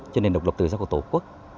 cho nên độc lục tự do của tổ quốc